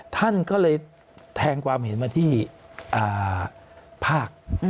ท่านก็เลยแทงความเห็นมาที่ภาค